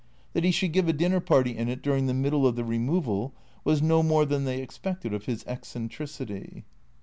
That he should give a dinner party in it during the middle of the removal was no more than they expected of his eccentricity.